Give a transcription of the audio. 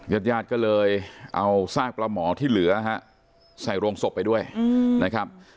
ญาติญาติก็เลยเอาซากปลาหมอที่เหลือฮะใส่โรงศพไปด้วยนะครับ